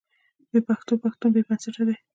بې پښتوه پښتون بې بنسټه دی.